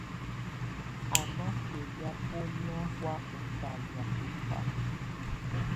Á́ ná bɛlabɔ́nyá hɔ̀á ú talɛ̀á tɔ́fà.